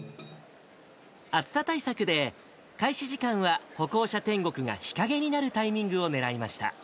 暑さ対策で、開始時間は歩行者天国が日陰になるタイミングをねらいました。